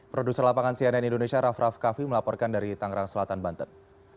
produser lapangan cnn indonesia raff raff kaffi melaporkan dari tangerang selatan banten